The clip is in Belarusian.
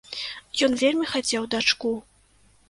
Ён вельмі хацеў дачку.